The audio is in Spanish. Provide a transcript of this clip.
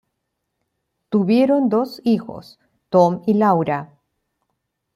Tuvieron dos hijos, Tom y Laura.